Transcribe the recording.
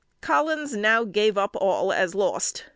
Collins now gave up all as lost.